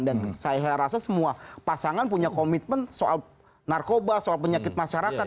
dan saya rasa semua pasangan punya komitmen soal narkoba soal penyakit masyarakat